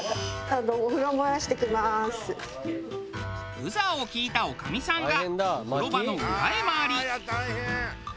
ブザーを聞いた女将さんが風呂場の裏へ回り。